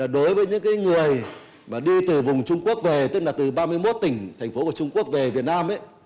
đối với những người đi từ vùng trung quốc về tức là từ ba mươi một tỉnh thành phố của trung quốc về việt nam